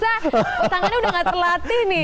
tangannya udah gak terlatih nih